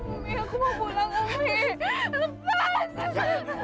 umi aku mau pulang umi